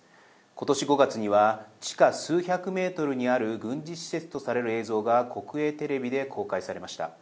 ことし５月には地下数百メートルにある軍事施設とされる映像が国営テレビで公開されました。